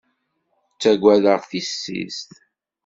Ttagadeɣ tissist!